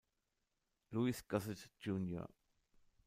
Louis Gosset Jr.